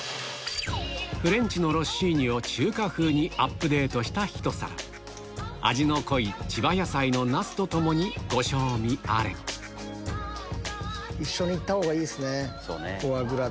フレンチのロッシーニを中華風にアップデートしたひと皿味の濃い千葉野菜のナスと共にご賞味あれ一緒に行ったほうがいいっすねフォアグラ。